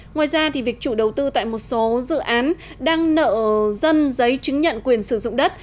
ngoài ra việc chủ đầu tư tại một số dự án đang nợ dân giấy chứng nhận quyền sử dụng đất